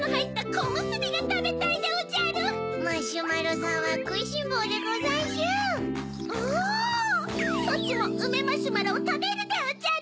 そちもうめマシュマロをたべるでおじゃる。